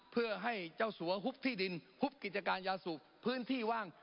เพื่อให้เจ้าสัวฮุบที่ดินฮุบกิจการยาสูบพื้นที่ว่าง